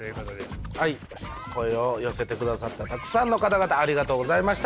声を寄せてくださったたくさんの方々ありがとうございました。